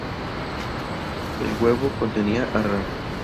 El huevo contenía a Ra.